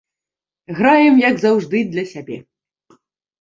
Граем, як заўжды, для сябе.